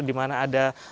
di mana ada